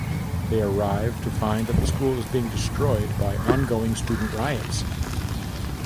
They arrive to find that the school is being destroyed by ongoing student riots.